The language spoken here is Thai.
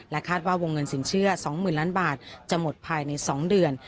คาดว่าวงเงินสินเชื่อ๒๐๐๐ล้านบาทจะหมดภายใน๒เดือน